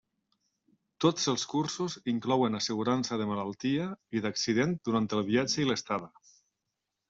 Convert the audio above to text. Tots els cursos inclouen assegurança de malaltia i d'accident durant el viatge i l'estada.